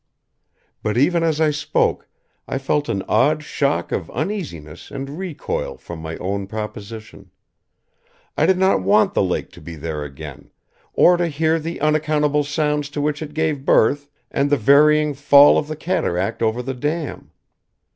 But even as I spoke, I felt an odd shock of uneasiness and recoil from my own proposition. I did not want the lake to be there again; or to hear the unaccountable sounds to which it gave birth and the varying fall of the cataract over the dam.